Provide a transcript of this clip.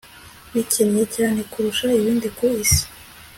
bikennye cyane kurusha ibindi ku isi